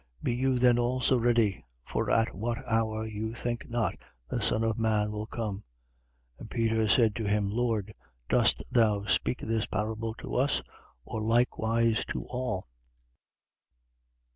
12:40. Be you then also ready: for at what hour you think not the Son of man will come. 12:41. And Peter said to him: Lord, dost thou speak this parable to us, or likewise to all?